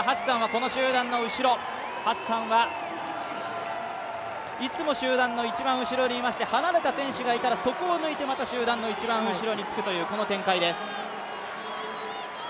更にはハッサンのこの集団の後ろハッサンはいつも集団の一番後ろにいまして離れた選手がいたら、そこを抜いて集団の後ろにつくという、この展開です。